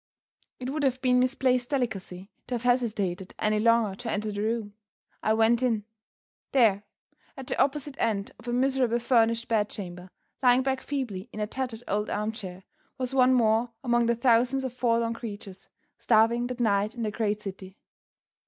It would have been misplaced delicacy to have hesitated any longer to enter the room. I went in. There, at the opposite end of a miserably furnished bed chamber, lying back feebly in a tattered old arm chair, was one more among the thousands of forlorn creatures, starving that night in the great city.